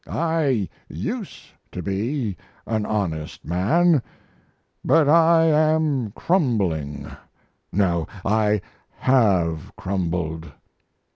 I used to be an honest man, but I am crumbling no, I have crumbled.